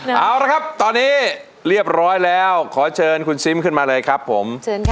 เอาละครับตอนนี้เรียบร้อยแล้วขอเชิญคุณซิมขึ้นมาเลยครับผมเชิญค่ะ